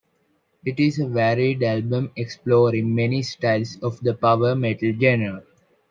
It is a varied album, exploring many styles of the power metal genre.